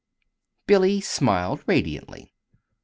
_" Billy smiled radiantly.